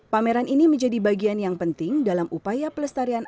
pameran ini menjadi bagian yang penting dalam upaya pelestarian